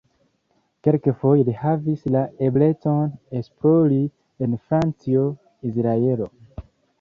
Kelkfoje li havis la eblecon esplori en Francio, Izraelo.